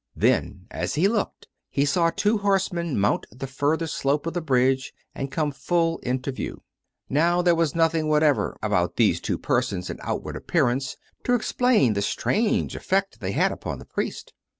Then, as he looked, he saw two horsemen mount the further slope of the bridge, and come full into view. Now there was nothing whatever about these two persons, in outward appearance, to explain the strange effect they had upon the priest.